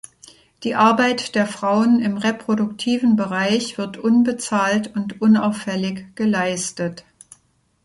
Die Arbeit der Frauen im reproduktiven Bereich wird unbezahlt und unauffällig geleistet.